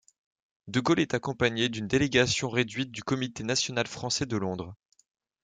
De Gaulle est accompagné d’une délégation réduite du Comité national français de Londres.